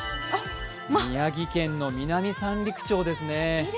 宮城県の南三陸町です。